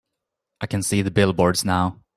I can see the billboards now.